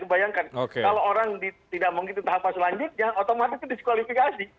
bayangkan kalau orang tidak mengikuti tahapan selanjutnya otomatis diskualifikasi